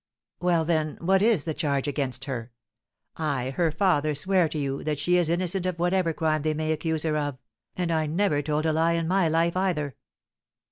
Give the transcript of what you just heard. "Well, then, what is the charge against her? I, her father, swear to you that she is innocent of whatever crime they may accuse her of, and I never told a lie in my life either."